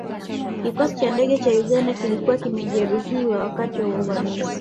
Kikosi cha ndege cha Uganda kilikuwa kimejeruhiwa wakati wa uvamizi